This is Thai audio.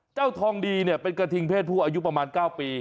เจ้าทองดีเนี่ยเป็นกระทิงเพศผู้อายุประมาณ๙ปี